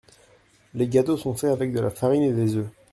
Les gâteaux sont faits avec de la farine et des œufs.